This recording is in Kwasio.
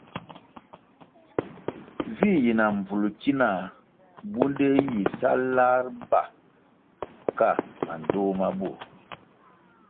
Vi yi na mbvulʼ ki na bunde yih sa lar ba ka mandtoh ma burʼ.